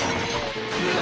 うわ！